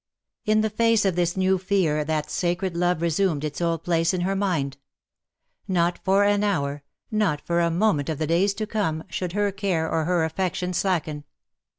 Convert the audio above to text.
In the face of this new fear that sacred love resumed its old place in her mind. Not for an hour^ not for a moment of the days to come^ should her care or her affection slacken.